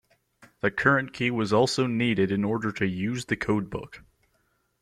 The current key was also needed in order to use the codebook.